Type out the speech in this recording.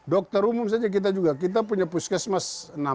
dokter umum saja kita juga kita punya puskesmas